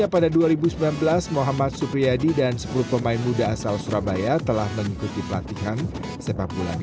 pada dua ribu sembilan belas muhammad supriyadi dan sepuluh pemain muda asal surabaya telah mengikuti pelatihan sepak bola di